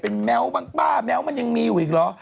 เป็นแมวภักดีมันยังมีอยู่หรอ